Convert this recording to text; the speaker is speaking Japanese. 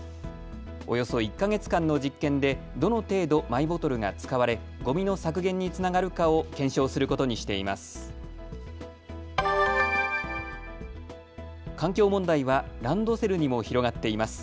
およそ１か月間の実験でどの程度マイボトルが使われ、ごみの削減につながるかを検証することにしています。